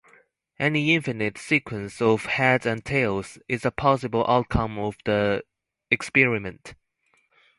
Any infinite sequence of heads and tails is a possible outcome of the experiment.